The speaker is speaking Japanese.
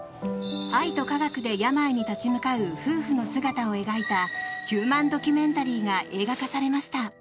愛と科学で病に立ち向かう夫婦の姿を描いたヒューマンドキュメンタリーが映画化されました。